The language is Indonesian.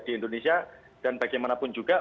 di indonesia dan bagaimanapun juga